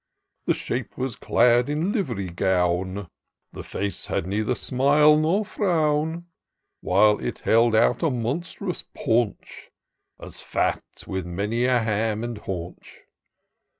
The shape was clad in livery gown ; The face had neither smile nor frown, While it held out a monstrous paunch. As fat with many a ham and haunch.